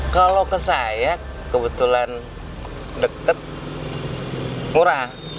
kalau ke saya kebetulan deket murah